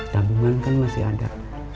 tampungan kan masih ada